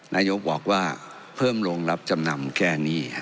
นายกบอกว่าเพิ่มโรงรับจำนำแค่นี้